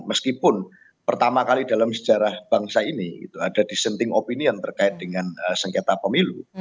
meskipun pertama kali dalam sejarah bangsa ini ada dissenting opinion terkait dengan sengketa pemilu